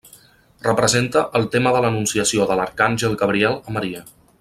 Representa el tema de l'Anunciació de l'arcàngel Gabriel a Maria.